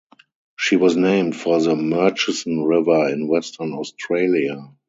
She was named for the Murchison River in Western Australia.